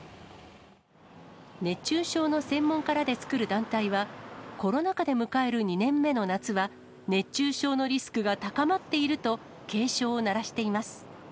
熱中症の専門家らで作る団体は、コロナ禍で迎える２年目の夏は、熱中症のリスクが高まっていると、警鐘を鳴らしています。